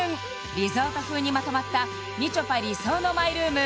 リゾート風にまとまったみちょぱ理想のマイルーム